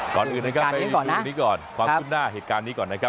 ก่อนอื่นนะครับไปดูนี้ก่อนความขึ้นหน้าเหตุการณ์นี้ก่อนนะครับ